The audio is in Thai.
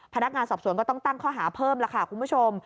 พนักงานสอบสวนก็ต้องตั้งข้อหาเพิ่มแล้วค่ะคุณผู้ชม